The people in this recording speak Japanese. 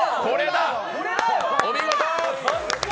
お見事！